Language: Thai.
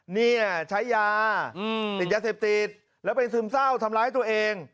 เนี่ยใช้ยาติดยาเสพติดแล้วไปซึมเศร้าทำร้ายตัวเอง